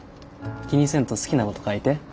気にせんと好きなこと書いて。